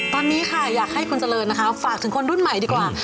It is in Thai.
ตอนนี้ค่ะอยากให้คุณเจริญนะคะฝากถึงคนรุ่นใหม่ดีกว่า